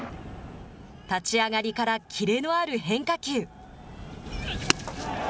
立ち上がりからキレのある変化球。